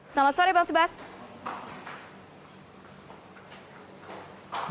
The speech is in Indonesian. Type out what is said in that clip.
selamat sore bang sebastian